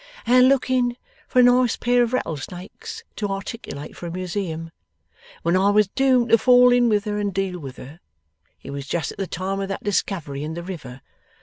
' And looking for a nice pair of rattlesnakes, to articulate for a Museum when I was doomed to fall in with her and deal with her. It was just at the time of that discovery in the river.